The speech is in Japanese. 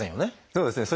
そうですね。